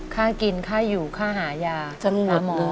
ค่ากินค่าอยู่ค่าหายาหมอ